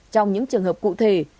trong những trường hợp cụ thể